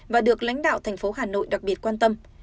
và được lãnh đạo thành phố hà nội đặc biệt quan tâm